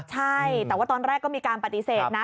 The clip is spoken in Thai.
ใช่แต่ว่าตอนแรกก็มีการปฏิเสธนะ